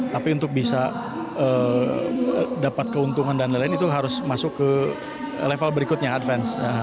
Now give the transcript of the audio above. tapi untuk bisa dapat keuntungan dan lain lain itu harus masuk ke level berikutnya advance